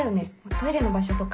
トイレの場所とか。